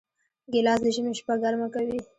ګیلاس د ژمي شپه ګرمه کوي.